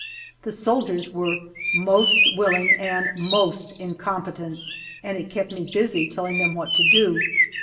The soldiers were most willing and most incompetent, and it kept me busy telling them what to do.